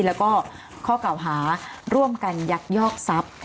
แล้วก็ข้อเก่าหาร่วมกันยักยอกทรัพย์